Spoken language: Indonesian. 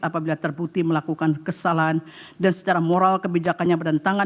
apabila terbukti melakukan kesalahan dan secara moral kebijakannya bertentangan